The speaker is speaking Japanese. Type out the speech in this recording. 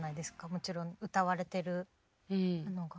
もちろん歌われているのが。